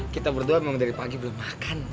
kita berdua memang dari pagi belum makan